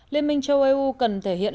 liên minh châu eu cần thể hiện